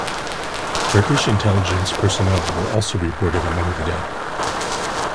Turkish intelligence personnel were also reported among the dead.